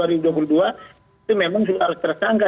itu memang harus tersangka